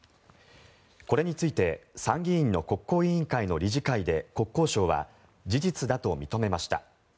これについて参議院の国交委員会の理事会で国交省は事実だと認めました。